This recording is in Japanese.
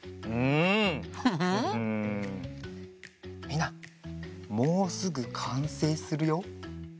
みんなもうすぐかんせいするよ。